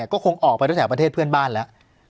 ก็คงออกไปตั้งแต่ประเทศเพื่อนบ้านแล้ว